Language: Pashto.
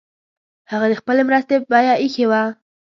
هغه د خپلي مرستي بیه ایښې وه.